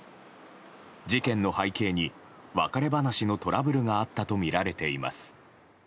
事件の背景に別れ話のトラブルがあったとみられています。